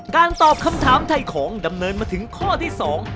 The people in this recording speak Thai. ตอบคำถามไทยของดำเนินมาถึงข้อที่สอง